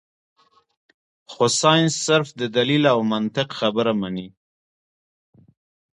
خو سائنس صرف د دليل او منطق خبره مني -